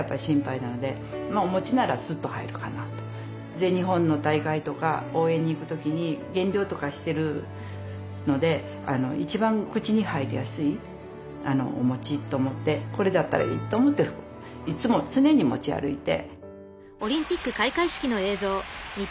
全日本の大会とか応援に行く時に減量とかしてるのでこれだったらいいと思っていつも常に持ち歩いて。